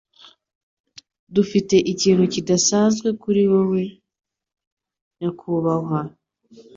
Dufite ikintu kidasanzwe kuri wewe, nyakubahwa.